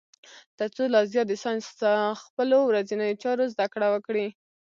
تر څو لا زیات د ساینس خپلو ورځنیو چارو زده کړه وکړي.